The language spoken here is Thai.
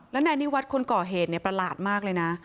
แล้วในนี้วัดคนก่อเหตุเนี่ยประหลาดมากเลยนะ